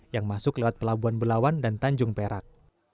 yang masuk lewat pelabuhan belawan dan tanjung perak